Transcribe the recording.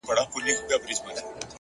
مهرباني د فاصلو واټن کموي.